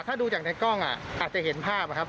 ถ้าดูจากในกล้องอาจจะเห็นภาพครับ